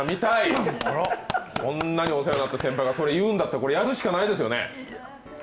こんなにお世話になった先輩が言うんだったらやるしかないですよね。